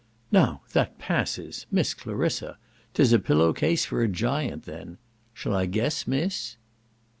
"Now that passes. Miss Clarissa! 'Tis a pillow case for a giant then. Shall I guess, Miss?"